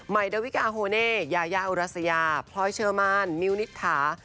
ดาวิกาโฮเน่ยายาอุรัสยาพลอยเชอร์มานมิวนิษฐา